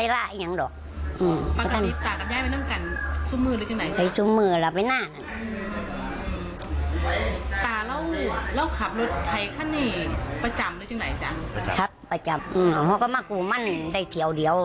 ประจำเพราะก็มากรูมั่นได้เทียวเหลว